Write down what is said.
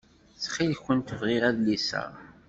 Ttxil-kent bɣiɣ adlis-a.